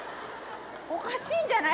おかしいんじゃない？